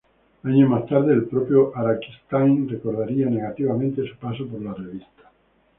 Años más tarde el propio Araquistáin recordaría negativamente su paso por la revista.